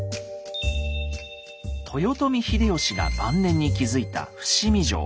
豊臣秀吉が晩年に築いた伏見城。